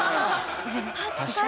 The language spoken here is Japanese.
確かに！